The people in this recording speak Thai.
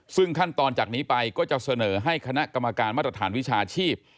ซึ่งขั้นตอนจากนี้ไปก็จะเสนอให้คณะกรรมการมาตรฐานวิชาชีพ